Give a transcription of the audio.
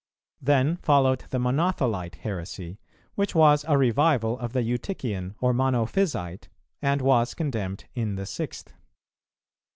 Then followed the Monothelite heresy, which was a revival of the Eutychian or Monophysite, and was condemned in the Sixth.